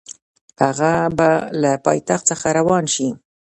هغه به له پایتخت څخه روان شي.